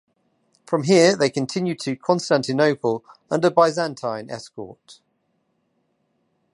From here they continued to Constantinople under Byzantine escort.